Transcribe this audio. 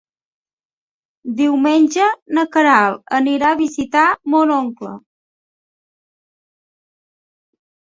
Diumenge na Queralt anirà a visitar mon oncle.